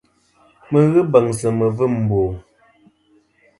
Mi ghɨ beŋsɨ mivim mbo.